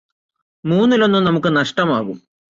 മൂന്നിലൊന്ന് നമുക്ക് നഷ്ടമാകും